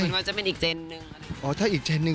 เหมือนว่าจะเป็นอีกเจนหนึ่ง